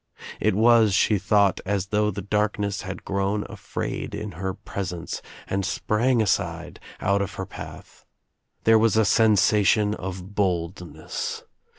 It was, she thought, as though the darkness had grown afraid in her presence and sprang aside, out of her path. There was a sensation of boldness.